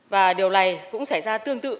và điều này cũng xảy ra tương tự